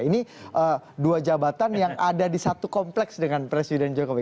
ini dua jabatan yang ada di satu kompleks dengan presiden jokowi